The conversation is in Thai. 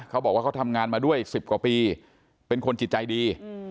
เขาบอกว่าเขาทำงานมาด้วย๑๐กว่าปีเป็นคนจิตใจดี